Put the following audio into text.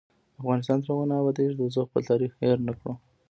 افغانستان تر هغو نه ابادیږي، ترڅو خپل تاریخ هیر نکړو.